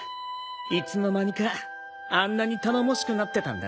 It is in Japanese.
いつの間にかあんなに頼もしくなってたんだな。